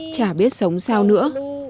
chả biết sống sao nữa